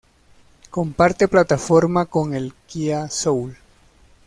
Comparte plataforma con el Kia Soul.